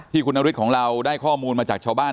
คุณนฤทธิของเราได้ข้อมูลมาจากชาวบ้าน